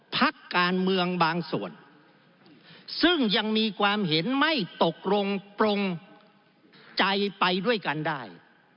พักการเมืองบางส่วนซึ่งยังมีความเห็นไม่ตกลงปรงใจไปด้วยกันได้